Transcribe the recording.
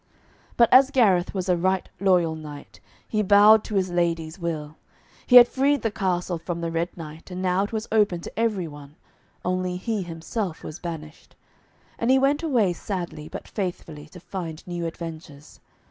But as Gareth was a right loyal knight, he bowed to his lady's will. He had freed the castle from the Red Knight, and now it was open to every one, only he himself was banished. And he went away sadly but faithfully to find new adventures.